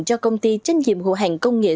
cho công ty trách nhiệm hộ hàng công nghệ